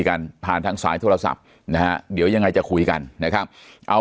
กันผ่านทางสายโทรศัพท์นะฮะเดี๋ยวยังไงจะคุยกันนะครับเอา